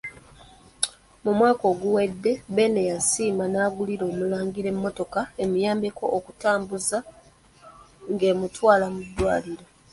Mu mwaka oguwedde Beene yasiima n'agulira Omulangira emmotoka emuyambeko okumutambuza ng'emutwala mu ddwaliro.